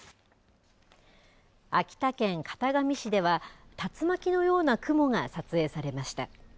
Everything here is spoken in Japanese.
秋田県潟上市では竜巻のような雲が撮影されました。